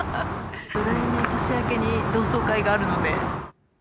来年、年明けに同窓会があるので。